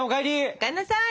お帰んなさい。